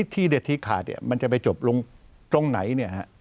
ที่เด็ดที่ขาดมันจะไปจบลงตรงไหน